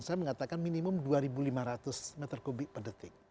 saya mengatakan minimum dua lima ratus meter kubik per detik